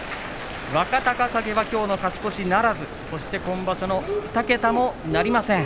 若隆景はきょうの勝ち越しならずそして今場所の２桁もなりません。